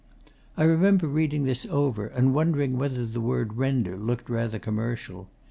I remember reading this over and wondering whether the word "render" looked rather commercial.